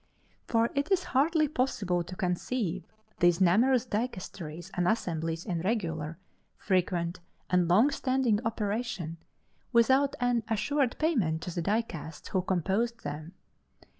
For it is hardly possible to conceive these numerous dicasteries and assemblies in regular, frequent, and long standing operation, without an assured payment to the dicasts who composed them.